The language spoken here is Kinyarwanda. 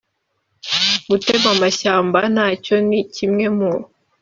gutema amashyamba nacyo ni kimwe mu